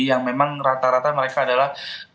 yang memang rata rata mereka adalah